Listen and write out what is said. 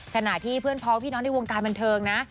ขณะที่เพื่อนพ้อและพี่ย้อนในวงการกำหนดบันเทิงนะ